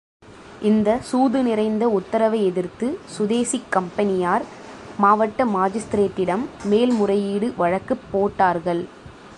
இந்த சூது நிறைந்த உத்தரவை எதிர்த்து சுதேசிக் கம்பெனியார் மாவட்ட மாஜிஸ்திரேட்டிடம் மேல் முறையீடு வழக்குப் போட்டார்கள்.